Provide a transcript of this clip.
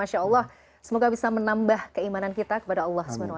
semoga bisa menambah keimanan kita kepada allah